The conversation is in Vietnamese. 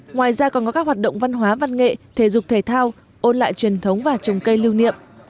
ngoài ra còn có các hoạt động văn hóa văn nghệ thể dục thể thao ôn lại truyền thống và trồng cây lưu niệm